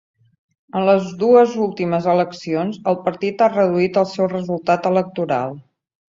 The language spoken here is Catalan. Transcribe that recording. En les dues últimes eleccions, el partit ha reduït el seu resultat electoral.